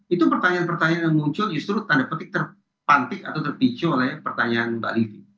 itu pertanyaan pertanyaan yang muncul justru tanda petik terpantik atau terpicu oleh pertanyaan mbak livi